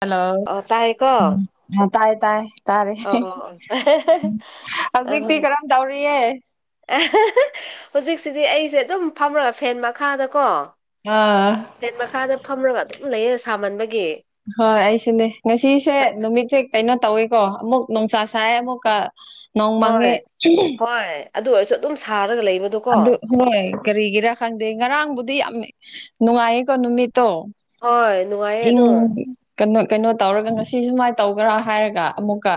Hello ꯑꯣ ꯇꯥꯏꯀꯣ ꯎꯝ ꯇꯥꯏ ꯇꯥꯏ ꯇꯥꯔꯦ ꯑꯣ ꯑꯣ ꯍꯧꯖꯤꯛꯇꯤ ꯀꯔꯝ ꯇꯧꯔꯤꯌꯦ ꯍꯧꯖꯤꯛꯁꯤꯗꯤ ꯑꯩꯁꯦ ꯑꯗꯨꯝ ꯐꯝꯔꯒ ꯐꯦꯟ ꯃꯈꯥꯗꯀꯣ ꯑꯥ ꯐꯦꯟ ꯃꯈꯥꯗ ꯐꯝꯔꯒ ꯑꯗꯨꯝ ꯂꯩꯌꯦ ꯁꯥꯃꯟꯕꯒꯤ ꯍꯣꯏ ꯑꯩꯁꯨꯅꯦ ꯉꯁꯤꯁꯦ ꯅꯨꯃꯤꯠꯁꯦ ꯀꯩꯅꯣ ꯇꯧꯋꯤꯀꯣ ꯑꯃꯨꯛ ꯅꯨꯡꯁꯥ ꯁꯥꯏ ꯑꯃꯨꯛꯀ ꯅꯣꯡ ꯍꯣꯏ ꯃꯪꯉꯦ ꯍꯣꯏ ꯑꯗꯨ ꯑꯣꯏꯔꯁꯨ ꯑꯗꯨꯝ ꯁꯥꯔꯒ ꯂꯩꯕꯗꯣ ꯑꯗꯨ ꯍꯣꯏ ꯀꯔꯤꯒꯤꯔꯥ ꯈꯪꯗꯦ ꯉꯔꯥꯡꯕꯨꯗꯤ ꯌꯥꯝ ꯅꯨꯡꯉꯥꯏꯌꯦꯀꯣ ꯅꯨꯃꯤꯠꯇꯣ ꯍꯣꯏ ꯅꯨꯡꯉꯥꯏ ꯏꯪ ꯀꯩꯅꯣ ꯀꯩꯅꯣ ꯇꯧꯔꯒ ꯉꯁꯤ ꯁꯨꯃꯥꯏꯅ ꯇꯧꯒ꯭ꯔꯥ ꯍꯥꯏꯔꯒ ꯑꯃꯨꯛꯀ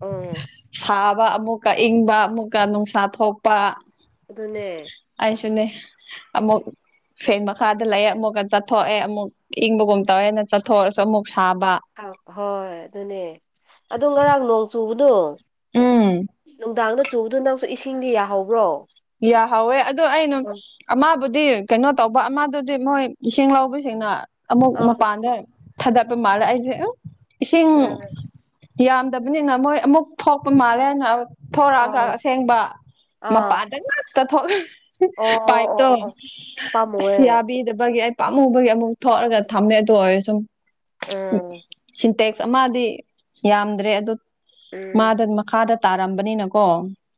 ꯎꯝ ꯁꯥꯕ ꯑꯃꯨꯛꯀ ꯏꯪꯕ ꯑꯃꯨꯛꯀ ꯅꯨꯡꯁꯥ ꯊꯣꯛꯄ ꯑꯗꯨꯅꯦ ꯑꯩꯁꯨꯅꯦ ꯑꯃꯨꯛ ꯐꯦꯟ ꯃꯈꯥꯗ ꯂꯩꯌ‌ꯦ ꯑꯃꯨꯛꯀ ꯆꯠꯊꯣꯛꯑꯦ ꯑꯃꯨꯛ ꯏꯪꯕꯒꯨꯝ ꯇꯧꯋꯦꯅ ꯆꯠꯊꯣꯛꯔꯁꯨ ꯑꯃꯨꯛ ꯁꯥꯕ ꯍꯣꯏ ꯑꯗꯨꯅꯦ ꯑꯗꯨ ꯉꯔꯥꯡ ꯅꯣꯡ ꯆꯨꯕꯗꯣ ꯎꯝ ꯅꯨꯡꯗꯥꯡꯗ ꯆꯨꯕꯗꯨ ꯅꯪꯁꯨ ꯏꯁꯤꯡꯗꯤ ꯌꯥꯍꯧꯕ꯭ꯔꯣ ꯌꯥꯍꯧꯋꯦ ꯑꯗꯣ ꯑꯩꯅ ꯑ ꯑꯃꯕꯨꯗꯤ ꯀꯩꯅꯣ ꯇꯧꯕ ꯑꯃꯗꯨꯗꯤ ꯃꯣꯏ ꯏꯁꯤꯡ ꯂꯧꯕꯁꯤꯡꯅ ꯑꯃꯨꯛ ꯃꯄꯥꯟꯗ ꯊꯥꯗꯠꯄ ꯃꯥꯜꯂꯦ ꯑꯩꯁꯦ ꯎꯉ ꯏꯁꯤꯡ ꯑꯥ ꯌꯥꯝꯗꯕꯅꯤꯅ ꯃꯣꯏ ꯑꯃꯨꯛ ꯊꯣꯛꯄ ꯃꯥꯜꯂꯦ ꯍꯥꯏꯅ ꯊꯣꯔꯛꯑꯒ ꯑꯥ ꯑꯁꯦꯡꯕ ꯑꯣ ꯃꯄꯥꯟꯗ ꯉꯥꯛꯇ ꯊꯣꯛꯂꯦ ꯑꯣ ꯄꯥꯏꯞꯇꯣ ꯑꯣ ꯑꯁ ꯄꯥꯝꯃꯨꯑꯦ ꯌꯥꯕꯤꯗꯕꯒꯤ ꯑꯩ ꯄꯥꯝꯃꯨꯕꯒꯤ ꯑꯃꯨꯛ ꯊꯣꯛꯑꯒ ꯊꯝꯃꯦ ꯑꯗꯨ ꯑꯣꯏꯔꯁꯨ ꯎꯡ ꯎꯝ ꯁꯤꯟꯇꯦꯛꯁ ꯑꯃꯗꯤ ꯌꯥꯝꯗ꯭ꯔꯦ ꯑꯗꯨ ꯎꯝ ꯃꯥꯗ ꯃꯈꯥꯗ ꯇꯥꯔꯝꯕꯅꯤꯅꯀꯣ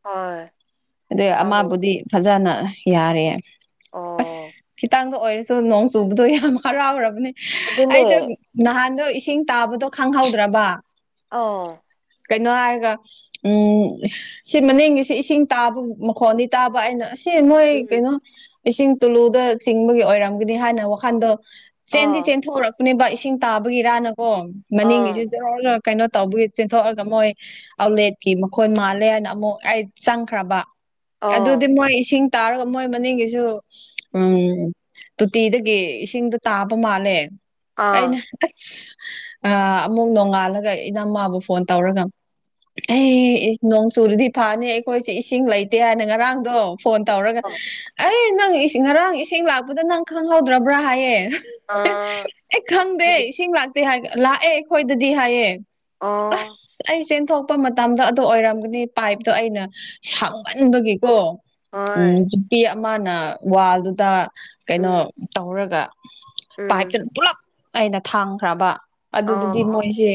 ꯍꯣꯏ ꯑꯗꯩ ꯄꯥꯝꯃꯦ ꯑꯃꯕꯨꯗꯤ ꯐꯖꯅ ꯌꯥꯔꯦ ꯑꯁ ꯑꯣ ꯈꯤꯇꯪꯗ ꯑꯣꯏꯔ ꯁꯨ ꯅꯣꯡ ꯆꯨꯕꯗꯣ ꯌꯥꯝ ꯍꯔꯥꯎꯔꯕꯅꯦ ꯑꯩꯗ‌ꯣ ꯑꯗꯨꯅꯦ ꯅꯍꯥꯟꯗꯣ ꯏꯁꯤꯡ ꯇꯥꯕꯗꯣ ꯈꯪꯍꯧꯗ꯭ꯔꯥꯕ ꯑꯥꯎ ꯀꯩꯅꯣ ꯍꯥꯏꯔꯒ ꯎꯝ ꯁꯤ ꯃꯅꯤꯡꯒꯤꯁꯤ ꯏꯁꯤꯡ ꯇꯥꯕꯥ ꯃꯈꯣꯟꯗꯤ ꯇꯥꯕ ꯑꯩꯅ ꯑꯁꯤ ꯅꯣꯏ ꯎꯝ ꯀꯩꯅꯣ ꯏꯁꯤꯡ ꯇꯨꯂꯨꯗ ꯆꯤꯡꯕꯒꯤ ꯑꯣꯏꯔꯝꯒꯅꯤ ꯍꯥꯏꯅ ꯋꯥꯈꯟꯗꯣ ꯆꯦꯟꯗꯤ ꯑꯣ ꯆꯦꯟꯊꯣꯛꯔꯛ ꯄꯨꯅꯦꯕ ꯏꯁꯤꯡ ꯇꯥꯕꯒꯤꯔꯥꯅꯀꯣ ꯃꯅꯤꯡꯒꯤꯁꯨ ꯑꯣ ꯖ꯭ꯔꯣ ꯖ꯭ꯔꯣ ꯀꯩꯅꯣ ꯇꯧꯕꯒꯤ ꯆꯦꯟꯊꯣꯛꯑꯒ ꯃꯣꯏ ꯑꯥꯎꯠꯂꯦꯠꯀꯤ ꯃꯈꯣꯟ ꯃꯥꯜꯂꯦ ꯍꯥꯏꯅ ꯑꯃꯨꯛ ꯑꯩ ꯆꯪꯈ꯭ꯔꯕ ꯑꯗꯨꯗꯤ ꯑꯣ ꯃꯣꯏ ꯏꯁꯤꯡ ꯇꯥꯔꯒ ꯃꯣꯏ ꯃꯅꯤꯡꯒꯤꯁꯨ ꯎꯝ ꯇꯣꯇꯤꯗꯒꯤ ꯏꯁꯤꯡꯗꯨ ꯇꯥꯕ ꯃꯥꯜꯂꯦ ꯑꯩꯅ ꯑꯥ ꯑꯁ ꯑꯃꯨꯛ ꯅꯣꯡꯉꯥꯜꯂꯒ ꯏꯅꯥꯝꯃꯥꯕꯨ ꯐꯣꯟ ꯇꯧꯔꯒ ꯑꯩ ꯅꯣꯡ ꯆꯨꯔꯥꯗꯤ ꯐꯅꯤ ꯑꯩꯈꯣꯏꯁꯦ ꯏꯁꯤꯡ ꯂꯩ ꯇꯦ ꯍꯥꯏꯅ ꯉꯔꯥꯡꯗꯣ ꯐꯣꯟ ꯇꯧꯔꯒ ꯑꯩ ꯅꯪ ꯉꯔꯥꯡ ꯏꯁꯤꯡ ꯂꯥꯛꯄꯗꯣ ꯅꯪ ꯈꯪꯍꯧꯗ꯭ꯔꯥꯕ꯭ꯔꯥ ꯍꯥꯏꯌꯦ ꯑꯥ ꯑꯦ ꯈꯪꯗꯦ ꯏꯁꯤꯡ ꯂꯥꯛꯇꯦ ꯍꯥꯏꯒꯥ ꯂꯥꯛꯑꯦ ꯑꯩꯈꯣꯏꯗꯗꯤ ꯍꯥꯏꯌꯦ ꯑꯣ ꯑꯁ ꯑꯩ ꯆꯦꯟꯊꯣꯛꯄ ꯃꯇꯝꯗ ꯑꯗꯨ ꯑꯣꯏꯔꯝꯒꯅꯤ ꯄꯥꯏꯞꯇꯣ ꯑꯩꯅ ꯁꯥꯡꯃꯟꯕꯒꯤꯀꯣ ꯎꯝ ꯍꯣꯏ ꯌꯨꯄꯤ ꯑꯃꯅ ꯋꯥꯜꯗꯨꯗ ꯀꯩꯅꯣ ꯎꯝ ꯇꯧꯔꯒ ꯎꯝ ꯄꯥꯏꯞꯇꯨꯅ ꯄꯨꯂꯞ ꯑꯩꯅ ꯊꯥꯡꯈ꯭ꯔꯕ ꯑꯣ ꯑꯗꯨꯗꯨꯗꯤ ꯑꯣ ꯃꯣꯏꯁꯦ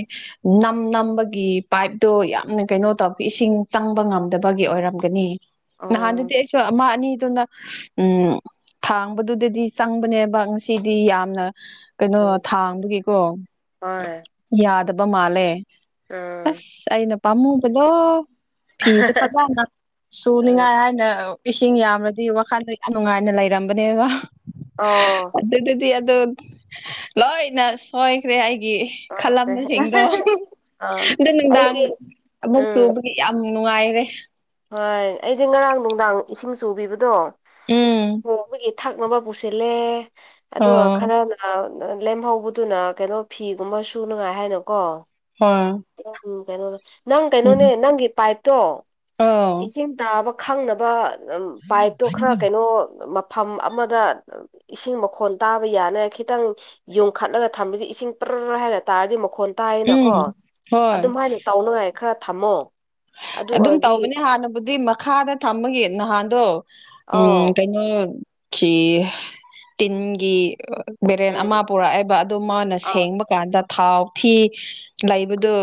ꯅꯝ ꯅꯝꯕꯒꯤ ꯄꯥꯏꯞꯇꯣ ꯌꯥꯝꯅ ꯀꯩꯅꯣ ꯇꯧꯕꯒꯤ ꯏꯁꯤꯡ ꯆꯪꯕ ꯉꯝꯗꯕꯒꯤ ꯑꯣꯏꯔꯝ ꯒꯥꯅꯤ ꯑꯣ ꯅꯍꯥꯟꯗꯨꯗꯤ ꯑꯩꯁꯨ ꯑꯃ ꯑꯅꯤꯗꯨꯅ ꯎꯝ ꯊꯥꯡꯕꯗꯨꯗꯗꯤ ꯆꯪꯕꯅꯦꯕ ꯉꯁꯤꯗꯤ ꯌꯥꯝꯅ ꯀꯩꯅꯣ ꯎꯝ ꯊꯥꯡꯕꯥꯒꯤꯀꯣ ꯍꯣꯏ ꯌꯥꯗꯕ ꯃꯥꯜꯂꯦ ꯎꯝ ꯑꯁ ꯑꯩꯅ ꯄꯥꯝꯃꯨꯕꯗꯣ ꯐꯤꯁꯦ ꯐꯖꯅ ꯎꯝ ꯁꯨꯅꯤꯡꯉꯥꯏ ꯊꯥꯏꯅ ꯏꯁꯤꯡ ꯌꯥꯝꯔꯗꯤ ꯋꯥꯈꯜꯗ ꯌꯥꯝ ꯅꯨꯡꯉꯥꯏꯅ ꯂꯩꯔꯝꯕꯅꯦꯕ ꯑꯣ ꯑꯗꯨꯗꯤ ꯑꯗꯨ ꯂꯣꯏꯅ ꯁꯣꯏꯈ꯭ꯔꯦ ꯑꯩꯒꯤ ꯑꯁ ꯈꯜꯂꯝꯕꯁꯤꯡꯗꯣ ꯑꯗꯣ ꯑꯥ ꯅꯨꯡꯗꯥꯡ ꯑꯩꯗꯤ ꯑꯃꯨꯛ ꯆꯨ ꯎꯝ ꯌꯥꯝ ꯅꯨꯡꯉꯥꯏꯔꯦ ꯍꯣꯏ ꯑꯩꯗꯤ ꯉꯔꯥꯡ ꯅꯨꯡꯗꯥꯡ ꯏꯁꯤꯡ ꯆꯨꯕꯤꯕꯗꯣ ꯎꯝ ꯍꯣꯡꯕꯒꯤ ꯊꯛꯅꯕ ꯄꯨꯁꯤꯜꯂꯦ ꯑꯗꯨꯒ ꯑꯣ ꯈꯔꯅ ꯂꯦꯝꯍꯧꯕꯗꯨꯅ ꯀꯩꯅꯣ ꯐꯤꯒꯨꯝꯕ ꯁꯨꯅꯥꯉꯥꯏ ꯍꯥꯏꯅꯀꯣ ꯍꯣꯏ ꯀꯩꯅꯣꯅꯦ ꯅꯪ ꯎꯝ ꯀꯩꯅꯣꯅꯦ ꯅꯪꯒꯤ ꯄꯥꯏ꯭ꯞꯇꯣ ꯑꯣ ꯏꯁꯤꯡ ꯇꯥꯕ ꯈꯪꯅꯕ ꯄꯥꯏ꯭ꯞꯇꯣ ꯈꯔ ꯀꯩꯅꯣ ꯃꯐꯝ ꯑꯃꯗ ꯏꯁꯤꯡ ꯃꯈꯣꯟ ꯇꯥꯕ ꯌꯥꯅꯉꯥꯏ ꯈꯤꯇꯪ ꯌꯨꯡꯈꯠꯂꯒ ꯊꯝꯔꯗꯤ ꯏꯁꯤꯡ ꯄ꯭ꯔ ꯍꯥꯏꯅ ꯇꯥꯔꯗꯤ ꯃꯈꯣꯟ ꯎꯝ ꯇꯥꯏꯌꯦꯅꯀꯣ ꯍꯣꯏ ꯑꯗꯨꯝ ꯍꯥꯏꯅ ꯇꯧꯅꯉꯥꯏ ꯈꯔ ꯊꯝꯃꯣ ꯑꯗꯨ ꯑꯗꯨꯝ ꯑꯣꯏꯔꯗꯤ ꯇꯧꯕꯅꯤ ꯍꯥꯟꯅꯕꯨꯗꯤ ꯃꯈꯥꯗ ꯊꯝꯃꯒꯤ ꯅꯍꯥꯟꯗꯣ ꯎꯝ ꯑꯧ ꯀꯩꯅꯣ ꯈꯤ ꯇꯤꯟꯒꯤ ꯕꯦꯔꯦꯟ ꯑꯃ ꯎꯝ ꯄꯨꯔꯛꯑꯦꯕ ꯑꯗꯨ ꯃꯥꯅ ꯑꯥ ꯁꯦꯡꯕ ꯀꯥꯟꯗ ꯊꯥꯎ ꯊꯤ ꯂꯩꯕꯗꯨ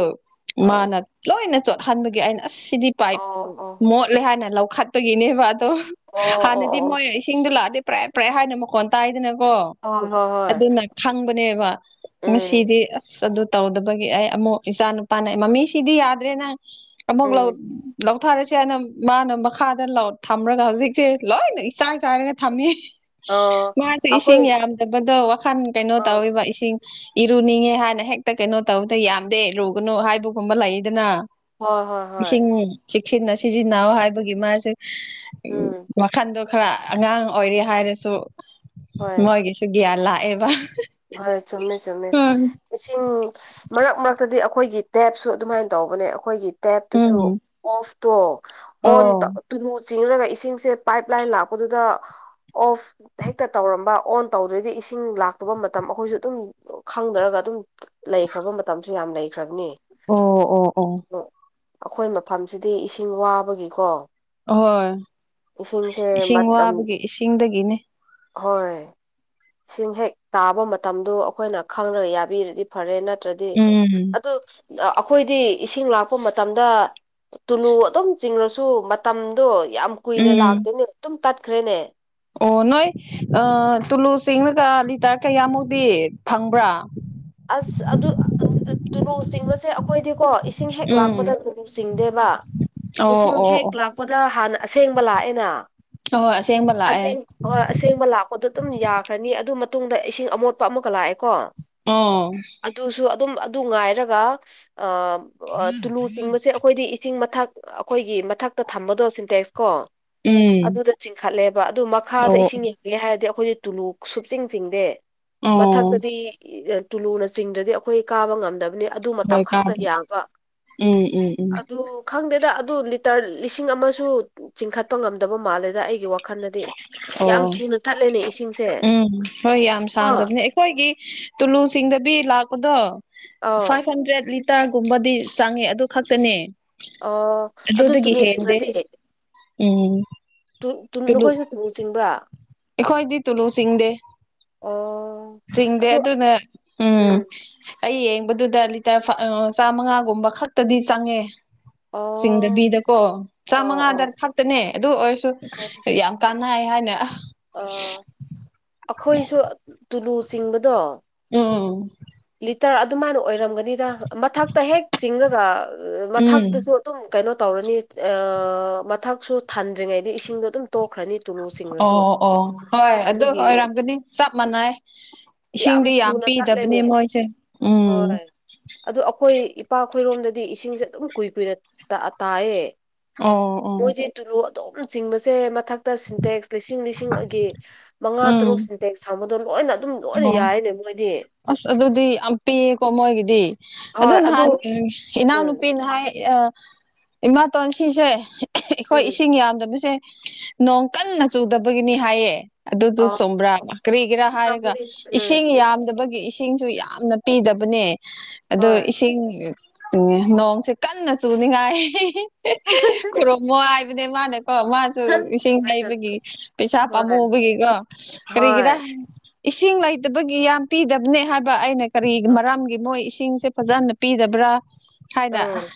ꯑꯪ ꯃꯥꯅ ꯂꯣꯏꯅ ꯆꯣꯠꯍꯟꯕꯒꯤ ꯑꯩꯅ ꯑꯁ ꯁꯤꯗꯤ ꯄꯥꯏ꯭ꯞ ꯑꯣ ꯑꯣ ꯃꯣꯠ ꯂꯦ ꯍꯥꯏꯅ ꯂꯧꯈꯠꯄꯒꯤꯅꯦꯕ ꯑꯗꯣ ꯑꯣ ꯑꯣ ꯍꯥꯟꯅꯗꯤ ꯑꯣ ꯃꯣꯏ ꯏꯁꯤꯡꯗꯣ ꯂꯥꯛꯑꯗꯤ ꯄ꯭ꯔꯦ ꯄ꯭ꯔꯦ ꯍꯥꯏꯅ ꯃꯈꯣꯟ ꯇꯥꯏꯗꯅꯀꯣ ꯑꯣ ꯍꯣꯏ ꯍꯣꯏ ꯍꯣꯏ ꯑꯗꯨꯅ ꯈꯪꯕꯅꯦꯕ ꯎꯝ ꯉꯥꯁꯤꯗꯤ ꯑꯁ ꯑꯗꯨ ꯇꯧꯗꯕꯒꯤ ꯑꯩ ꯑꯃꯨꯛ ꯏꯆꯥ ꯅꯨꯨꯄꯥꯅ ꯑꯩ ꯃꯃꯤꯁꯤꯗꯤ ꯌꯥꯗ꯭ꯔꯦꯅꯥ ꯑꯃꯨꯛ ꯂꯧ ꯎꯝ ꯂꯧ ꯊꯥꯔꯁꯦ ꯍꯥꯏꯅꯥ ꯃꯥꯅ ꯃꯈꯥꯗ ꯂꯧ ꯊꯝꯔꯒ ꯍꯧꯖꯤꯛꯁꯦ ꯂꯣꯏꯅ ꯏꯆꯥꯏ ꯆꯥꯏꯔꯒ ꯊꯝꯃꯤ ꯑꯣ ꯃꯥꯁꯨ ꯏꯁꯤꯡ ꯑꯩꯈꯣꯏ ꯌꯥꯝꯗꯕꯗꯣ ꯋꯥꯈꯟ ꯀꯩꯅꯣ ꯑꯥ ꯇꯧꯋꯦꯕ ꯏꯁꯤꯡ ꯏꯔꯨꯅꯤꯡꯉꯦ ꯍꯥꯏꯅ ꯍꯦꯛꯇ ꯀꯩꯅꯣ ꯇꯧꯕꯗ ꯌꯥꯝꯗꯦ ꯏꯔꯨꯒꯅꯨ ꯍꯥꯏꯕꯒꯨꯝꯕ ꯂꯩꯗꯅ ꯍꯣꯏ ꯍꯣꯏ ꯍꯣꯏ ꯏꯁꯤꯡ ꯆꯦꯛꯁꯤꯟꯅ ꯁꯤꯖꯤꯟꯅꯧ ꯍꯥꯏꯕꯒꯤ ꯃꯥꯁꯦ ꯎꯝ ꯈꯟꯗꯣ ꯈꯔ ꯑꯉꯥꯡ ꯑꯣꯏꯔꯤ ꯍꯥꯏꯔꯁꯨ ꯍꯣꯏ ꯃꯣꯏꯒꯤꯁꯨ ꯒ꯭ꯌꯥꯟ ꯂꯥꯛꯑꯦꯕ ꯍꯣꯏ ꯆꯨꯝꯃꯦ ꯆꯨꯝꯃꯦ ꯏꯁꯤꯡ ꯃꯔꯛ ꯃꯔꯛꯇꯗꯤ ꯑꯩꯈꯣꯏꯒꯤ ꯇꯦꯞꯁꯨ ꯑꯗꯨꯃꯥꯏꯟ ꯇꯧꯕꯅꯦ ꯑꯩꯈꯣꯏꯒꯤ ꯇꯦꯞꯇꯨꯁꯨ ꯎꯝ ꯑꯣꯐ ꯇꯣ ꯑꯣꯟ ꯑꯣ ꯇꯧ ꯇꯨꯂꯨ ꯆꯤꯡꯔꯒ ꯏꯁꯤꯡꯁꯦ ꯄꯥꯏꯞ ꯂꯥꯏꯟ ꯂꯥꯛꯄꯗꯨꯗ ꯑꯣꯐ ꯍꯦꯛꯇ ꯇꯧꯔꯝꯕ ꯑꯣꯟ ꯇꯧꯗ꯭ꯔꯗꯤ ꯏꯁꯤꯡ ꯂꯥꯛ ꯇꯣꯕ ꯃꯇꯝ ꯑꯩꯈꯣꯏꯁꯨ ꯑꯗꯨꯝ ꯈꯪꯅꯔꯒ ꯑꯗꯨꯝ ꯂꯩꯈ꯭ꯔꯕ ꯃꯇꯝꯁꯨ ꯌꯥꯝ ꯂꯩꯈ꯭ꯔꯕꯅꯤ ꯑꯣ ꯑꯣ ꯑꯣ ꯑꯣ ꯑꯩꯈꯣꯏ ꯃꯐꯝꯁꯤꯗꯤ ꯏꯁꯤꯡ ꯋꯥꯕꯒꯤꯀꯣ ꯑꯍꯣꯏ ꯏꯁꯤꯡꯁꯦ ꯏꯁꯤꯡ ꯃꯇꯝ ꯋꯥꯕꯒꯤ ꯏꯁꯤꯡꯗꯒꯤꯅꯦ ꯍꯣꯏ ꯏꯁꯤꯡ ꯍꯦꯛ ꯇꯥꯕ ꯃꯇꯝꯗꯨ ꯑꯩꯈꯣꯏꯅ ꯈꯪꯔꯒ ꯌꯥꯕꯤꯔꯗꯤ ꯐꯔꯦ ꯅꯠꯇ꯭ꯔꯗꯤ ꯎꯝ ꯑꯗꯨ ꯑꯩꯈꯣꯏꯗꯤ ꯏꯁꯤꯡ ꯂꯥꯛꯄ ꯃꯇꯝꯗ ꯇꯨꯂꯨ ꯑꯗꯨꯝ ꯆꯤꯡꯔꯁꯨ ꯃꯇꯝꯗꯣ ꯌꯥꯝ ꯀꯨꯏꯅ ꯎꯝ ꯂꯥꯛꯇꯦꯅꯦ ꯑꯗꯨꯝ ꯇꯠꯈ꯭ꯔꯦꯅꯦ ꯑꯣ ꯅꯣꯏ ꯑ ꯇꯨꯂꯨ ꯆꯤꯡꯔꯒ ꯂꯤꯇꯔ ꯀꯌꯥꯃꯨꯛꯇꯤ ꯐꯪꯕ꯭ꯔꯥ ꯑꯁ ꯑꯗꯨ ꯇꯨꯂꯨ ꯆꯤꯡꯕꯁꯦ ꯑꯩꯈꯣꯏꯗꯤꯀꯣ ꯏꯁꯤꯡ ꯍꯦꯛ ꯂꯥꯛꯄꯗ ꯎꯝ ꯇꯨꯨꯂꯨ ꯆꯤꯡꯗꯦꯕ ꯑꯣ ꯑꯣ ꯏꯁꯤꯡꯁꯤ ꯍꯦꯛ ꯑꯣ ꯂꯥꯛꯄꯗ ꯍꯥꯟꯅ ꯑꯁꯦꯡꯕ ꯂꯥꯛꯑꯦꯅ ꯑꯍꯣꯏ ꯑꯁꯦꯡꯕ ꯂꯥꯛꯑꯦ ꯑꯍꯣꯏ ꯑꯁꯦꯡꯕ ꯂꯥꯛꯄꯗꯣ ꯑꯗꯨꯝ ꯌꯥꯈ꯭ꯔꯅꯤ ꯑꯗꯨ ꯃꯇꯨꯡꯗ ꯏꯁꯤꯡ ꯑꯃꯣꯠꯄ ꯑꯃꯨꯛꯀ ꯂꯥꯛꯑꯦꯀꯣ ꯑꯣ ꯑꯗꯨꯁꯨ ꯑꯗꯨꯝ ꯑꯗꯨ ꯉꯥꯏꯔꯒ ꯑꯝ ꯑ ꯇꯨꯂꯨ ꯆꯤꯡꯕꯁꯦ ꯑꯩꯈꯣꯏꯗꯤ ꯏꯁꯤꯡ ꯃꯊꯛ ꯑꯩꯈꯣꯏꯒꯤ ꯃꯊꯛꯇ ꯊꯝꯕꯗꯣ ꯁꯤꯟꯇꯦꯛꯁ ꯀꯣ ꯎꯝ ꯑꯗꯨꯗ ꯆꯤꯡꯈꯠꯂꯦꯕ ꯑꯗꯨ ꯃꯈꯥꯗ ꯑꯣ ꯏꯁꯤꯡ ꯌꯦ ꯒꯦ ꯍꯥꯏꯔꯗꯤ ꯑꯩꯈꯣꯏꯗꯤ ꯇꯨꯂꯨ ꯁꯨꯞꯆꯤꯡ ꯆꯤꯡꯗꯦ ꯑꯣ ꯃꯊꯛꯇꯗꯤ ꯇꯨꯂꯨꯅ ꯆꯤꯡꯗ꯭ꯔꯗꯤ ꯑꯩꯈꯣꯏ ꯀꯥꯕ ꯉꯝꯗꯕꯅꯦ ꯑꯗꯨ ꯃꯇꯝ ꯍꯣꯏ ꯈꯛꯇ ꯀꯥꯕ ꯌꯥꯒ ꯎꯝ ꯎꯝ ꯎꯝ ꯑꯗꯨ ꯈꯪꯗꯦꯗ ꯑꯗꯨ ꯂꯤꯇꯔ ꯂꯤꯁꯤꯡ ꯑꯃꯁꯨ ꯆꯤꯡꯈꯠꯄ ꯉꯝꯗꯕ ꯃꯥꯜꯂꯦꯗ ꯑꯩꯒꯤ ꯋꯥꯛ ꯑꯣ ꯏꯁꯤꯡꯁꯦ ꯎꯝ ꯍꯣꯏ ꯌꯥꯝ ꯀꯣ ꯁꯥꯡꯗꯕꯅꯦ ꯑꯩ ꯑꯩꯈꯣꯏꯒꯤ ꯇꯨꯂꯨ ꯆꯤꯡꯗꯕꯤ ꯂꯥꯛꯄꯗꯣ ꯑꯥꯎ ꯐꯥꯏꯚ ꯍꯟꯗ꯭ꯔꯦꯠ ꯂꯤ ꯇꯔꯒꯨꯝꯕꯗꯤ ꯆꯪꯉꯦ ꯑꯗꯨ ꯈꯛꯇꯅꯦ ꯑꯣ ꯑꯗꯨ ꯑꯗꯨꯗꯒꯤ ꯇꯨꯂꯨ ꯍꯦꯟꯗꯦ ꯆꯤꯡꯔꯗꯤ ꯎꯝ ꯇꯨ ꯇꯨ ꯇꯨꯂꯨ ꯅꯈꯣꯏꯁꯨ ꯇꯨꯨꯂꯨ ꯆꯤꯡꯕ꯭ꯔꯥ ꯑꯩꯈꯣꯏꯗꯤ ꯇꯨꯂꯨ ꯆꯤꯡꯗꯦ ꯑꯣ ꯆꯤꯡꯗꯦ ꯑꯗꯨ ꯑꯗꯨꯅ ꯎꯝ ꯑꯩ ꯌꯦꯡꯕꯗꯨꯗ ꯂꯤꯇꯔ ꯐꯥ ꯑ ꯆꯥꯃꯉꯥꯒꯨꯝꯕ ꯈꯛꯇꯗꯤ ꯆꯪꯉꯦ ꯑꯣ ꯆꯤꯡꯗꯕꯤꯗꯀꯣ ꯑꯣ ꯆꯥꯝꯃꯉꯥꯗꯔ ꯑꯣ ꯈꯛ ꯇꯅꯦ ꯑꯗꯨ ꯑꯣꯏꯔꯁꯨ ꯌꯥꯝ ꯀꯥꯟꯅꯩ ꯍꯥꯏꯅ ꯑ ꯑ ꯑꯈꯣꯏꯁꯨ ꯇꯨꯂꯨ ꯆꯤꯡꯕꯗꯣ ꯎꯝ ꯂꯤꯇꯔ ꯑꯗꯨꯃꯥꯏꯅ ꯑꯣꯏꯔꯝꯒꯅꯤꯗ ꯃꯊꯛꯇ ꯍꯦꯛ ꯆꯤꯡꯔꯒ ꯎꯝ ꯃꯊꯛꯇꯨꯁꯨ ꯇꯨꯝ ꯀꯩꯅꯣ ꯇꯧꯔꯅꯤ ꯑꯥ ꯃꯊꯛꯁꯨ ꯊꯟꯗ꯭ꯔꯤꯉꯩꯗ ꯏꯁꯤꯡꯗꯣ ꯗꯨꯝ ꯇꯣꯛꯈ꯭ꯔꯅꯤ ꯇꯨꯂꯨ ꯆꯤꯡꯉꯁꯨ ꯑꯣ ꯑꯣ ꯍꯣꯏ ꯑꯗꯨ ꯑꯗꯨꯒꯤ ꯑꯣꯏꯔꯝꯒꯅꯤ ꯆꯞ ꯃꯥꯟꯅꯩ ꯏꯁꯤꯡꯗꯤ ꯌꯥꯝ ꯊꯨꯅ ꯄꯤꯗꯕꯅꯦ ꯇꯠꯂꯦꯅꯦ ꯃꯣꯏꯁꯦ ꯎꯝ ꯍꯣꯏ ꯑꯗꯣ ꯑꯈꯣꯏ ꯏꯄꯥ ꯈꯣꯏꯔꯣꯝꯗꯗꯤ ꯏꯁꯤꯡꯁꯦ ꯑꯗꯨꯝ ꯀꯨꯏ ꯀꯨꯏꯅ ꯇꯥ ꯇꯥꯏꯌꯦ ꯑꯣ ꯑꯣ ꯃꯣꯏꯗꯤ ꯇꯨꯂꯨ ꯑꯗꯨꯝ ꯆꯤꯡꯕꯁꯦ ꯃꯊꯛꯇ ꯁꯤꯟꯇꯦꯛꯁ ꯂꯤꯁꯤꯡ ꯂꯤꯁꯤꯡꯒꯤ ꯃꯉꯥ ꯎꯝ ꯇꯔꯨꯛ ꯁꯤꯟꯇꯦꯛꯁ ꯊꯝꯕꯗꯣ ꯂꯣꯏꯅ ꯑꯗꯨꯝ ꯂꯣꯏꯅ ꯑꯣ ꯌꯥꯏꯅꯦ ꯃꯣꯏꯗꯤ ꯑꯁ ꯑꯗꯨꯗꯤ ꯌꯥꯝ ꯄꯤꯌꯦꯀꯣ ꯃꯣꯏꯒꯤꯗꯤ ꯑꯗꯨ ꯅꯍꯥꯟ ꯎꯝ ꯏꯅꯥꯎꯅꯨꯄꯤ ꯅ ꯍꯥꯏꯌꯦ ꯑꯥ ꯏꯃꯥꯇꯣꯟ ꯁꯤꯁꯦ ꯑꯩꯈꯣꯏ ꯎꯝ ꯏꯁꯤꯡ ꯌꯥꯝꯗꯕꯁꯦ ꯅꯣꯡ ꯀꯟꯅ ꯆꯨꯗꯕꯒꯤꯅꯤ ꯍꯥꯏꯌꯦ ꯑꯗꯨꯗꯣ ꯑ ꯆꯣꯝꯕ꯭ꯔꯥ ꯀꯔꯤꯒꯤꯔꯥ ꯍꯥꯏꯔꯒ ꯎꯝ ꯏꯁꯤꯡ ꯌꯥꯝꯗꯕ ꯒꯤ ꯏꯁꯤꯡꯁꯨ ꯌꯥꯝꯅ ꯄꯤꯗꯕꯅꯦ ꯑꯗꯣ ꯍꯣꯏ ꯏꯁꯤꯡ ꯎꯝ ꯅꯣꯡꯁꯦ ꯀꯟꯅ ꯆꯨꯅꯤꯡꯉꯥꯏ ꯈꯨꯔꯨꯝꯃꯣ ꯍꯥꯏ ꯅꯦ ꯃꯥꯅꯀꯣ ꯃꯥ ꯎꯝ ꯏꯁꯤꯡ ꯂꯩꯕꯒꯤ ꯄꯩꯁꯥ ꯄꯥꯝꯃꯨꯕꯒꯤꯀꯣ ꯍꯣꯏ ꯍꯣꯏ ꯀꯔꯤꯒꯤꯔ ꯏꯁꯤꯡ ꯂꯩꯇꯕꯒꯤ ꯌꯥꯝ ꯄꯤꯗꯕꯅꯦ ꯍꯥꯏꯕ ꯑꯩꯅ ꯀꯔꯤ ꯑꯥ ꯃꯔꯝꯒꯤ ꯃꯣꯏ ꯏꯁꯤꯡꯁꯦ ꯐꯖꯅ ꯄꯤꯗꯕ꯭ꯔꯥ ꯍꯥꯏꯅ ꯎꯝ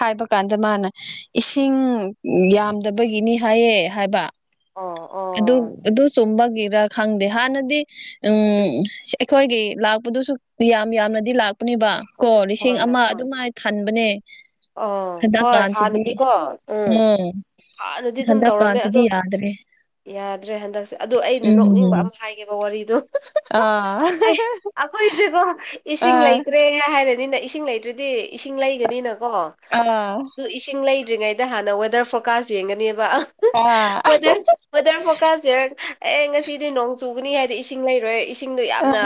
ꯍꯥꯏꯕ ꯀꯥꯟꯗ ꯃꯥꯅ ꯏꯁꯤꯡ ꯌꯥꯝꯗꯕꯒꯤꯅꯤ ꯍꯥꯏꯌꯦ ꯍꯥꯏꯕ ꯑꯣ ꯑꯣ ꯑꯗꯨ ꯑꯗꯨ ꯆꯨꯝꯕꯒꯤꯔ ꯈꯪꯗꯦ ꯍꯥꯟꯅꯗꯤ ꯎꯝ ꯈꯣꯏꯒꯤ ꯂꯥꯛꯄꯗꯨꯁꯨ ꯌꯥꯝ ꯌꯥꯝꯅꯗꯤ ꯂꯥꯛꯄꯅꯦꯕ ꯀꯣ ꯂꯤꯁꯤꯡ ꯍꯣꯏ ꯑꯃ ꯍꯣꯏ ꯑꯗꯨꯃꯥꯏ ꯈꯟꯕꯅꯦ ꯑꯣ ꯍꯣꯏ ꯍꯥꯟꯅꯗꯤꯀꯣ ꯎꯝ ꯍꯥꯟꯅꯗꯤ ꯗꯨꯝ ꯇꯧꯔꯝꯃꯦ ꯑꯗꯣ ꯍꯟꯗꯛꯀꯥꯟꯁꯤꯗꯤ ꯌꯥꯗ꯭ꯔꯦ ꯌꯥꯗ꯭ꯔꯦ ꯍꯟꯗꯛ ꯑꯗꯨ ꯑꯩꯅ ꯅꯣꯛꯅꯤꯡꯕ ꯎꯝ ꯑꯃ ꯍꯥꯏꯒꯦꯕ ꯋꯥꯔꯤꯗꯣ ꯑꯥ ꯑꯩ ꯑꯈꯣꯏꯁꯦꯀꯣ ꯏꯁꯤꯡ ꯑꯥ ꯂꯩꯇ꯭ꯔꯦꯅ ꯍꯥꯏꯔꯅꯤꯅ ꯏꯁꯤꯡ ꯂꯩꯇ꯭ꯔꯗꯤ ꯏꯁꯤꯡ ꯂꯩꯒꯅꯤꯅꯀꯣ ꯑꯥ ꯑꯗꯨ ꯏꯁꯤꯡ ꯂꯩꯗ꯭ꯔꯤꯉꯩꯗ ꯍꯥꯟꯅ ꯋꯦꯗꯔ ꯐꯣꯔꯀꯥꯁ ꯌꯦꯡꯒꯅꯤꯕ ꯑ ꯑꯥ ꯋꯦꯗꯔ ꯋꯦꯗꯔ ꯐꯣꯀꯁ ꯌꯦꯔ ꯑꯦ ꯉꯁꯤꯗꯤ ꯅꯣꯡ ꯆꯨꯒꯅꯤ ꯍꯥꯏꯗꯤ ꯏꯁꯤꯡ ꯂꯩꯔꯣꯏ ꯏꯁꯤ ꯁꯤꯡꯗꯣ ꯑꯥ ꯌꯥꯝꯅ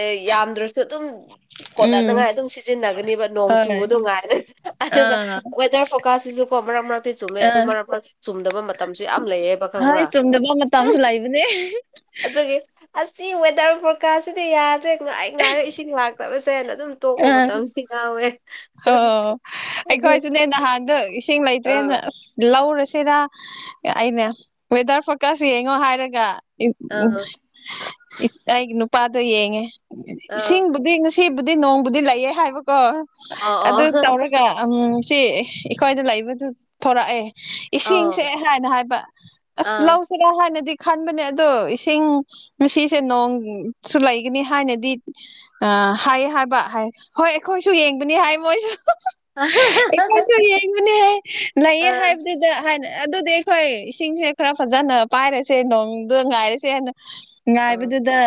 ꯑꯦ ꯌꯥꯝꯗ꯭ꯔꯁꯨ ꯑꯗꯨꯝ ꯎꯝ ꯀꯣꯟꯅꯅꯉꯥꯏ ꯑꯗꯨꯝ ꯁꯤꯖꯤꯟꯅꯒꯅꯤꯕ ꯅꯣꯡ ꯍꯣꯏ ꯆꯨꯕꯗꯣ ꯉꯥꯏ ꯑꯗꯨꯅ ꯑꯥ ꯋꯦꯗꯔ ꯐꯣꯔꯀꯥꯁꯁꯤꯁꯨ ꯀꯣ ꯃꯔꯛ ꯃꯔꯛꯇꯤ ꯆꯨꯝꯃꯦ ꯑꯥ ꯑꯗꯨ ꯃꯔꯛ ꯃꯔꯛ ꯆꯨꯝꯗꯕ ꯃꯇꯝꯁꯨ ꯌꯥꯝ ꯂꯩꯌꯦꯕ ꯈꯪꯕ ꯍꯣꯏ ꯆꯨꯝꯗꯕ ꯃꯇꯝꯁꯨ ꯂꯩꯕꯅꯦ ꯑꯗꯨꯒꯤ ꯑꯁꯤ ꯋꯦꯗꯔ ꯐꯣꯔꯀꯥꯁꯁꯤꯗꯤ ꯌꯥꯗ꯭ꯔꯦ ꯉꯥꯏ ꯉꯥꯏꯔꯦ ꯏꯁꯤꯡ ꯂꯥꯛꯇꯕꯁꯦꯅ ꯑꯗꯨꯝ ꯇꯣꯛꯄ ꯑꯥ ꯃꯇꯝ ꯁꯤ ꯉꯥꯎꯔꯦ ꯑꯣ ꯑꯩꯈꯣꯏꯁꯨꯅꯦ ꯅꯍꯥꯟꯗꯣ ꯏꯁꯤꯡ ꯂꯩꯇ꯭ꯔꯦꯅ ꯑꯥ ꯑꯁ ꯂꯧꯔꯁꯤꯔꯥ ꯑꯩꯅ ꯋꯦꯗꯔ ꯐꯣꯀꯁ ꯌꯦꯡꯉꯣ ꯍꯥꯏꯔꯒ ꯎꯝ ꯎꯝ ꯑꯥ ꯑꯩꯒꯤ ꯅꯨꯄꯥꯗ ꯌꯦꯡꯉꯦ ꯏꯁꯤꯡ ꯑꯥ ꯗꯤ ꯉꯁꯤꯕꯨꯗꯤ ꯅꯣꯡꯕꯨꯗꯤ ꯂꯩꯌꯦ ꯍꯥꯏꯕꯀꯣ ꯑꯗꯨ ꯑꯥ ꯇꯧꯔꯒ ꯑꯝ ꯁꯤ ꯑꯩꯈꯣꯏꯗ ꯂꯩꯕꯗꯨꯁꯨ ꯊꯣꯔꯛꯑꯦ ꯏꯁꯤꯡꯁꯦ ꯑꯥ ꯍꯥꯏꯅ ꯍꯥꯏꯕ ꯑꯁ ꯑꯥ ꯂꯧ ꯁꯤꯔꯥ ꯍꯥꯟꯅꯗꯤ ꯈꯟꯕꯅꯦ ꯑꯗꯣ ꯏꯁꯤꯡ ꯉꯁꯤꯁꯦ ꯅꯣꯡꯁꯨ ꯂꯩꯒꯅꯤ ꯍꯥꯏꯅꯗꯤ ꯑꯥ ꯍꯥꯏꯌꯦ ꯍꯥꯏꯕ ꯍꯥꯏ ꯍꯣꯏ ꯑꯩꯈꯣꯏꯁꯨ ꯌꯦꯡꯕꯅꯤ ꯍꯥꯏ ꯃꯣꯏꯁꯨ ꯑꯩꯈꯣꯏꯁꯨ ꯌꯦꯡꯉꯨꯅꯦꯍꯦ ꯂꯩꯌꯦ ꯑꯥ ꯍꯥꯏꯕꯗꯨꯗ ꯍꯥꯏꯅ ꯑꯗꯨꯗꯤ ꯑꯩꯈꯣꯏ ꯏꯁꯤꯡꯁꯦ ꯈꯔ ꯐꯖꯅ ꯄꯥꯏꯔꯁꯦ ꯅꯣꯡꯗꯨ ꯉꯥꯏꯔꯁꯦꯅ ꯑꯥ ꯉꯥꯏꯕꯗꯨꯗ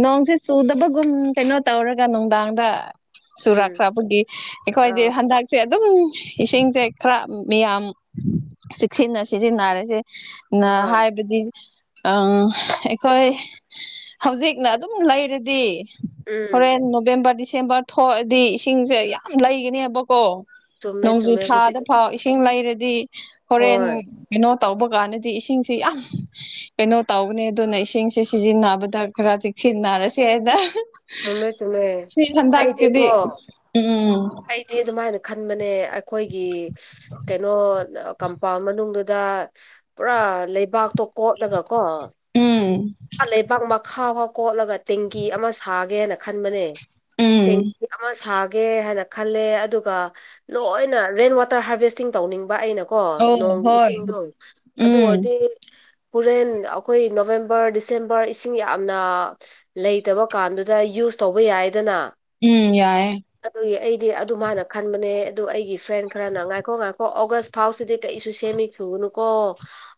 ꯅꯣꯡꯁꯦ ꯆꯨꯗꯕꯒꯨꯝ ꯀꯩꯅꯣ ꯇꯧꯔꯒ ꯅꯨꯡꯗꯥꯡꯗ ꯎꯝ ꯁꯨꯔꯛꯈ꯭ꯔꯕꯨꯒꯤ ꯑꯩꯈꯣꯏꯗꯤ ꯑꯥ ꯍꯟꯗꯛ ꯁꯦ ꯑꯗꯨꯝ ꯏꯁꯤꯡꯁꯦ ꯈꯔ ꯃꯤꯌꯥꯝ ꯆꯦꯛꯁꯤꯟꯅ ꯁꯤꯖꯤꯟꯅꯔꯁꯦ ꯍꯣꯏ ꯍꯥꯏꯕꯗꯤ ꯑꯪ ꯑꯩꯈꯣꯏ ꯍꯧꯖꯤꯛꯅ ꯑꯗꯨꯝ ꯂꯩꯔꯗꯤ ꯎꯝ ꯍꯣꯔꯦꯟ ꯅꯣꯕꯦꯝꯕꯔ ꯗꯤꯁꯦꯝꯕꯔ ꯊꯣꯛꯑꯗꯤ ꯏꯁꯤꯡꯁꯦ ꯌꯥꯝ ꯂꯩꯒꯅꯦꯕꯀꯣ ꯆꯨꯝꯃꯦ ꯅꯣꯡꯖꯨ ꯆꯨꯝꯃꯦ ꯍꯧꯖꯤꯛ ꯊꯥꯗ ꯐꯥꯎ ꯏꯁꯤꯡ ꯂꯩꯔꯗꯤ ꯍꯣꯔꯦꯟ ꯍꯣꯏ ꯀꯩꯅꯣ ꯇꯧꯕ ꯀꯥꯟꯗꯗꯤ ꯏꯁꯤꯡꯁꯤ ꯌꯥꯝ ꯀꯩꯅꯣ ꯇꯧꯕꯅꯦ ꯑꯗꯨꯅ ꯏꯁꯤꯡꯁꯦ ꯁꯤꯖꯤꯟꯅꯕꯗ ꯈꯔ ꯆꯦꯛꯁꯤꯟꯅꯔꯁꯦ ꯍꯥꯏꯅ ꯁꯤ ꯑꯩꯗꯤ ꯍꯟꯗꯛꯇꯤꯗꯤ ꯎꯝ ꯑꯩꯗꯤ ꯑꯗꯨꯃꯥꯏꯅ ꯈꯟꯕꯅꯦ ꯑꯩꯈꯣꯏꯒꯤ ꯀꯩꯅꯣ ꯀꯝꯄꯥꯎꯟ ꯃꯅꯨꯡꯗꯨꯗ ꯄꯨꯔꯥ ꯂꯩꯕꯥꯛꯇꯣ ꯀꯣꯠꯂꯒ ꯀꯣ ꯎꯝ ꯂꯩꯕꯥꯛ ꯃꯈꯥꯐꯥꯎ ꯀꯣꯠꯂꯒ ꯇꯦꯡꯀꯤ ꯑꯃ ꯁꯥꯒꯦꯅ ꯈꯟꯕꯅꯦ ꯎꯝ ꯇꯦꯡꯀꯤ ꯑꯃ ꯁꯥꯒꯦ ꯍꯥꯏꯅ ꯈꯜꯂꯦ ꯑꯗꯨꯒ ꯂꯣꯏꯅ ꯔꯦꯟ ꯋꯥꯇꯔ ꯍꯥꯔꯚꯦꯁꯇꯤꯡ ꯇꯧꯅꯤꯡꯕ ꯑꯩꯅ ꯀꯣ ꯑꯧ ꯅꯣꯡ ꯍꯣꯏ ꯏꯁꯤꯡꯗꯣ ꯑꯗꯨ ꯎꯝ ꯑꯣꯏꯔꯗꯤ ꯍꯨꯔꯦꯟ ꯑꯩꯈꯣꯏ ꯅꯣꯕꯦꯝꯕꯔ ꯗꯤꯁꯦꯝꯕꯔ ꯏꯁꯤꯡ ꯌꯥꯝꯅ ꯂꯩꯇꯕ ꯀꯥꯟꯗꯨꯗ ꯌꯨꯁ ꯇꯧꯕ ꯌꯥꯏꯌꯦꯗꯅ ꯎꯝ ꯌꯥꯏꯌꯦ ꯑꯗꯨꯒꯤ ꯑꯩꯗꯤ ꯑꯗꯨ ꯃꯥꯅ ꯈꯟꯕꯅꯦ ꯑꯗꯨ ꯑꯩꯒꯤ ꯐ꯭ꯔꯦꯟ ꯈꯔꯅ ꯉꯥꯏꯈꯣ ꯉꯥꯏꯈꯣ ꯑꯣꯒꯁ ꯐꯥꯎꯁꯤꯗꯤ ꯀꯔꯤꯁꯨ ꯁꯦꯝꯃꯤꯈꯨꯒꯅꯨꯀꯣ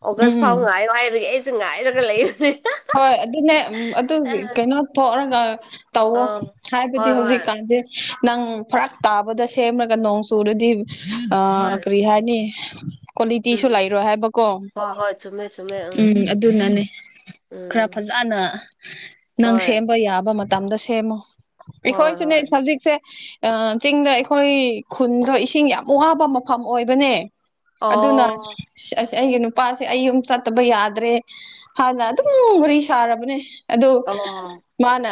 ꯑꯣꯒꯁ ꯎꯝ ꯐꯥꯎ ꯉꯥꯏꯌꯣ ꯍꯥꯏꯕꯒꯤ ꯑꯩꯁꯨ ꯉꯥꯏꯔꯒ ꯂꯩꯕꯅꯦ ꯍꯣꯏ ꯑꯗꯨꯅꯦ ꯎꯝ ꯑꯗꯨꯒꯤ ꯀꯩꯅꯣ ꯊꯣꯛꯔꯒ ꯑ ꯇꯧꯋꯣ ꯍꯥꯏꯕꯗꯤ ꯍꯣꯏ ꯍꯣꯏ ꯍꯧꯖꯤꯛꯀꯥꯟꯁꯦ ꯅꯪ ꯐꯔꯛ ꯇꯥꯕꯗ ꯁꯦꯝꯃꯒ ꯅꯣꯡ ꯆꯨꯨꯔꯗꯤ ꯑꯥ ꯍꯣꯏ ꯀꯔꯤ ꯍꯥꯏꯅꯤ ꯀꯋꯥꯂꯤꯇꯤꯁꯨ ꯎꯝ ꯂꯩꯔꯣꯏ ꯍꯥꯏꯕꯀꯣ ꯍꯣꯏ ꯍꯣꯏ ꯆꯨꯝꯃꯦ ꯆꯨꯝꯃꯦ ꯎꯝ ꯑꯗꯨꯅꯅꯦ ꯈꯔ ꯎꯝ ꯐꯖꯅ ꯅꯪ ꯍꯣꯏ ꯁꯦꯝꯕ ꯌꯥꯕ ꯃꯇꯝꯗ ꯁꯦꯝꯃꯣ ꯍꯣꯏ ꯑꯩꯈꯣꯏꯁꯨꯅꯦ ꯍꯣꯏ ꯁꯕꯖꯤꯛꯁꯦ ꯑꯥ ꯆꯤꯡꯗ ꯑꯩꯈꯣꯏ ꯈꯨꯟꯗꯣ ꯏꯁꯤꯡ ꯌꯥꯝ ꯋꯥꯕ ꯃꯐꯝ ꯑꯣꯏꯕꯅꯦ ꯑꯗꯨꯅ ꯑꯣ ꯑꯁ ꯑꯩꯒꯤ ꯅꯨꯄꯥꯁꯦ ꯑꯩ ꯌꯨꯝ ꯆꯠꯇꯕ ꯌꯥꯗꯔꯦ ꯍꯥꯏꯅ ꯑꯗꯨꯝ ꯋꯥꯔꯤ ꯁꯥꯔꯕꯅꯦ ꯑꯗꯣ ꯑꯣ ꯃꯥꯅ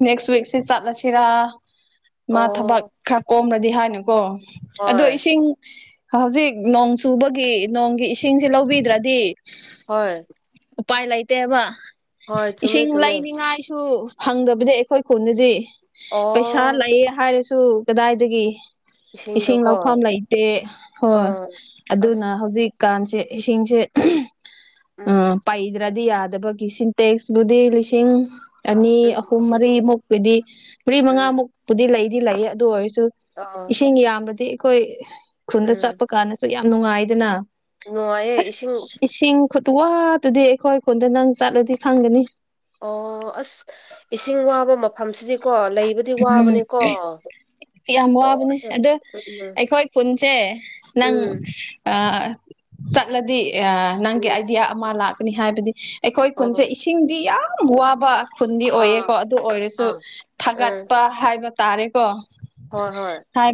ꯅꯦꯛꯁ ꯋꯤꯛꯁꯦ ꯆꯠꯂꯁꯤꯔꯥ ꯃꯥ ꯊꯕꯛ ꯑꯣ ꯈꯔ ꯀꯣꯝꯔꯗꯤ ꯍꯥꯏꯅꯨꯀꯣ ꯑꯗꯣ ꯍꯣꯏ ꯏꯁꯤꯡ ꯍꯧꯖꯤꯛ ꯅꯣꯡ ꯆꯨꯕꯒꯤ ꯅꯣꯡꯒꯤ ꯏꯁꯤꯡꯁꯤ ꯂꯧꯕꯤꯗꯔꯗꯤ ꯍꯣꯏ ꯎꯄꯥꯏ ꯂꯩꯇꯦꯕ ꯍꯣꯏ ꯆꯨꯝꯃꯦ ꯏꯁꯤꯡ ꯆꯨꯝꯃꯦ ꯂꯩꯅꯤꯡ ꯉꯥꯏꯁꯨ ꯐꯪꯗꯕꯅꯦ ꯑꯩꯈꯣꯏ ꯈꯨꯟꯗꯗꯤ ꯄꯩꯁꯥ ꯑꯣ ꯂꯩꯑꯦ ꯍꯥꯏꯔꯁꯨ ꯀꯗꯥꯏꯗꯒꯤ ꯏꯁꯤꯡ ꯏꯁꯤꯡꯗꯣꯀꯣ ꯂꯧꯐꯝ ꯂꯩꯇꯦ ꯍꯣꯏ ꯑꯥ ꯑꯗꯨꯅ ꯑꯁ ꯍꯧꯖꯤꯛ ꯀꯥꯟꯁꯦ ꯏꯁꯤꯡꯁꯦ ꯎꯝ ꯄꯩꯗ꯭ꯔ ꯗꯤ ꯌꯥꯗꯕꯒꯤ ꯁꯤꯟꯇꯦꯛꯁꯕꯨꯗꯤ ꯂꯤꯁꯤꯡ ꯑꯅꯤ ꯎꯝ ꯑꯍꯨꯝ ꯃꯔꯤꯃꯨꯛꯀꯤꯗꯤ ꯃꯔꯤ ꯎꯝ ꯃꯉꯥꯃꯨꯛꯄꯨꯗꯤ ꯂꯩꯗꯤ ꯂꯩꯌꯦ ꯑꯗꯨ ꯑꯣꯏꯔꯁꯨ ꯑꯥ ꯏꯁꯤꯡ ꯌꯥꯝꯔꯗꯤ ꯑꯩꯈꯣꯏ ꯈꯨꯟꯗ ꯎꯝ ꯆꯠꯄ ꯀꯥꯟꯗꯁꯨ ꯌꯥꯝ ꯅꯨꯡꯉꯥꯏꯗꯅ ꯅꯨꯡꯉꯥꯏꯌꯦ ꯑꯁ ꯏꯁꯤꯡ ꯏꯁꯤꯡ ꯈꯨꯠꯋꯥꯇꯨꯗꯤ ꯑꯩꯈꯣꯏ ꯈꯨꯟꯗ ꯅꯪ ꯆꯠꯂꯗꯤ ꯈꯪꯒꯅꯤ ꯑꯣ ꯑꯁ ꯏꯁꯤꯡ ꯋꯥꯕ ꯃꯐꯝꯁꯤꯗꯤꯀꯣ ꯂꯩꯕꯗꯤ ꯎꯝ ꯋꯥꯕꯅꯤꯀꯣ꯫ ꯌꯥꯝ ꯋꯥꯕꯅꯤ ꯂꯣꯏꯅ ꯑꯗꯣ ꯎꯝ ꯑꯩꯈꯣꯏ ꯈꯨꯟꯁꯦ ꯅꯪ ꯎꯝ ꯑ ꯆꯠꯂꯗꯤ ꯑ ꯅꯪꯒꯤ ꯎꯝ ꯑꯥꯏꯗꯤꯌꯥ ꯑꯃ ꯂꯥꯛꯀꯅꯤ ꯍꯥꯏꯕꯗꯤ ꯑꯩꯈꯣꯏ ꯈꯨꯟꯁꯦ ꯑꯣ ꯏꯁꯤꯡꯗꯤ ꯌꯥꯝ ꯋꯥꯕ ꯈꯨꯟꯗꯤ ꯑꯣꯏꯌꯦꯀꯣ ꯑꯥ ꯑꯗꯨ ꯑꯣꯏꯔꯁꯨ ꯑꯥ ꯊꯥꯒꯠ ꯎꯝ ꯄ ꯍꯥꯏꯕ ꯇꯥꯔꯦꯀꯣ ꯍꯣꯏ ꯍꯣꯏ ꯍꯥꯏꯕ